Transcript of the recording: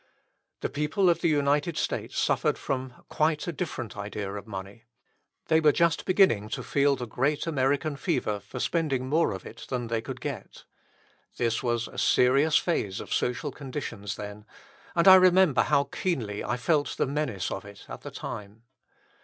The people of the United States suffered from quite a different idea of money. They were just beginning to feel the great American fever for spending more of it than they could get. This was a serious phase of social conditions then, and I remember how keenly I felt the menace of it at the time.